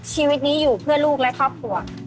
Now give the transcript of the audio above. ชีวิตนี้อยู่เพื่อลูกและครอบครัว